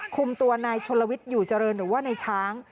คุมตัวนายชนลวิทย์อยู่เจริญหรือว่านายช้าง